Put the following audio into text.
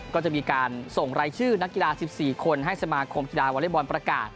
ก็จะมีการส่งรายชื่อนักกีฬา๑๔คนให้สมาคมกีฬาวอเล็กบอลประกาศ